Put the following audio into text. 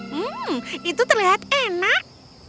hmm itu terlihat enak